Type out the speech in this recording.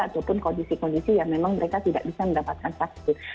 ataupun kondisi kondisi yang memang mereka tidak bisa mendapatkan vaksin